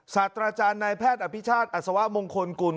ศาสตราจารย์นายแพทย์อภิชาติอัศวะมงคลกุล